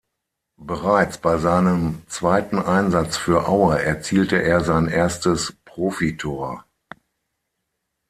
Bereits bei seinem zweiten Einsatz für Aue erzielte er sein erstes Profi-Tor.